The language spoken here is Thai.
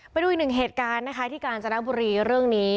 ไปดูอีกหนึ่งเหตุการณ์นะคะที่กาญจนบุรีเรื่องนี้